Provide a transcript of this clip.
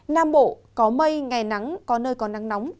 nam bộ có mây ngày nắng có nơi có nắng nóng